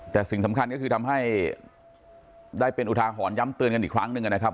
แต่สิ่งสำคัญก็คือทำให้ได้เป็นอุทาหรณ์ย้ำเตือนกันอีกครั้งหนึ่งนะครับ